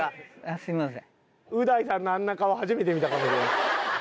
すいません。